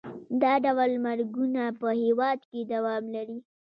دا ډول مرګونه په هېواد کې دوام لري.